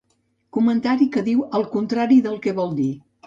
Comentari que diu el contrari del que vol dir.